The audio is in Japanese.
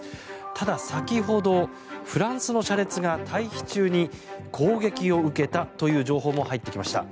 ただ、先ほどフランスの車列が退避中に攻撃を受けたという情報も入ってきました。